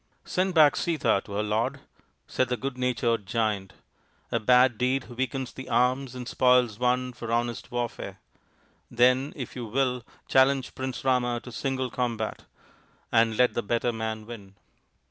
" Send back Sita to her lord," said the good natured Giant. " A bad deed weakens the arms and spoils one for honest warfare. Then, if you will, challenge Prince Rama to single combat, and let the better man win."